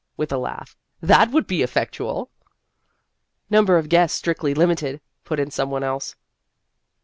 with a laugh ;" that would be effectual." " Number of guests strictly limited," put in some one else.